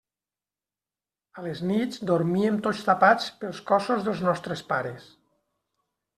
A les nits dormíem tots tapats pels cossos dels nostres pares.